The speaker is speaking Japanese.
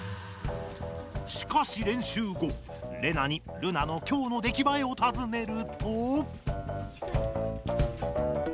しかし練習後レナにルナの今日のできばえをたずねると。